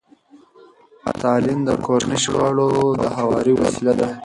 تعلیم د کورني شخړو د هواري وسیله ده.